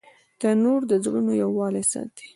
تنور د زړونو یووالی ساتي